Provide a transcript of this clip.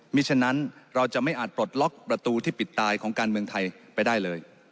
ฉะนั้นเราจะไม่อาจปลดล็อกประตูที่ปิดตายของการเมืองไทยไปได้เลย